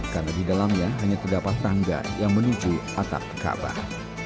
karena di dalamnya hanya terdapat tangga yang menuju atap kaabah